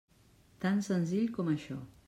Tan senzill com això.